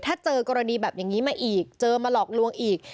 ถ้าเจอกรณีแบบนี้มาอีกเจอมาหลอกลวงอีก